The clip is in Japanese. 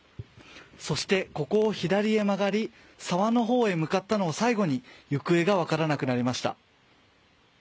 そして、ここを左へ曲がり沢の方へ向かったのを最後に行方が分からなくなりました。